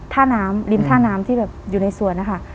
ท่าน้ำริมท่าน้ำที่แบบอยู่ในสวนนะคะ